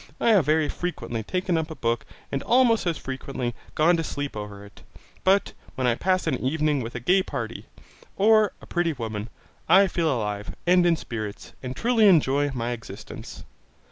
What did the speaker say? I have very frequently taken up a book and almost as frequently gone to sleep over it; but when I pass an evening with a gay party, or a pretty woman, I feel alive, and in spirits, and truly enjoy my existence.